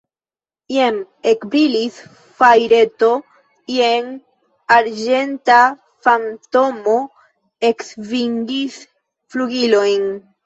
Jen ekbrilis fajreto, jen arĝenta fantomo eksvingis flugilojn.